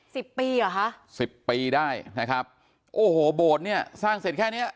สิบปีเหรอคะสิบปีได้นะครับโอ้โหโบสถ์เนี้ยสร้างเสร็จแค่เนี้ย